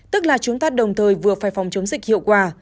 tức là chúng ta đồng thời vừa phải phòng chống dịch hiệu quả